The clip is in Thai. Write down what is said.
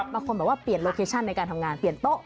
บางคนแบบว่าเปลี่ยนโลเคชั่นในการทำงานเปลี่ยนโต๊ะ